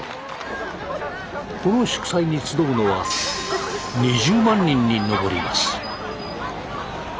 この祝祭に集うのは２０万人に上ります。